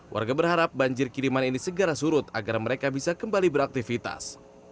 warga berharap banjir kiriman ini segera surut agar mereka bisa kembali beraktivitas